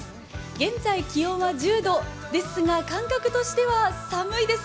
現在、気温は１０度ですが感覚としては寒いです。